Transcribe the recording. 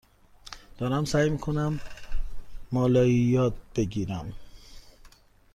دارم سعی می کنم مالایی یاد بگیرم.